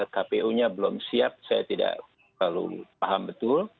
kpu nya belum siap saya tidak terlalu paham betul